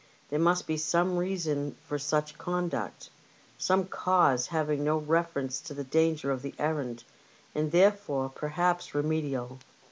There must be some reason for such conduct — some cause having no reference to the danger of the errand, and therefore, perhaps, remediable.